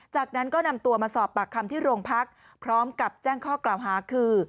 จากนั้นก็นำตัวมาสอบปากคำที่โรงพักพร้อมกับแจ้งข้อกล่าวหาคือ